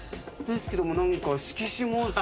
ですけども何か色紙も。